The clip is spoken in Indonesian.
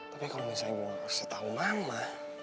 tapi kalau misalnya gue gak kasih tau mama